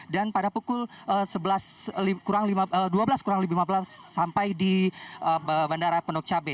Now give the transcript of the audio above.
dan pada pukul dua belas sampai di bandara penok cabe